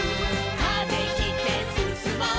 「風切ってすすもう」